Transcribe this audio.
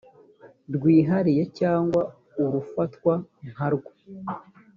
rwihariye cyangwa urufatwa nkarwo